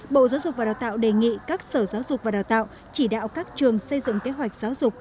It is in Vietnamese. bộ giáo dục và đào tạo đề nghị các sở giáo dục và đào tạo chỉ đạo các trường xây dựng kế hoạch giáo dục